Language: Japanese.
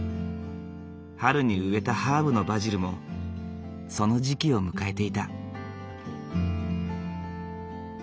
春に植えたハーブのバジルもその時期を迎えていた。